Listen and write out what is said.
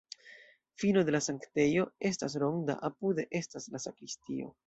Fino de la sanktejo estas ronda, apude estas la sakristio.